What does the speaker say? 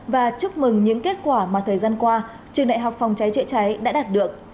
và chúc mừng những kết quả mà thời gian qua trường đại học phòng cháy chữa cháy đã đạt được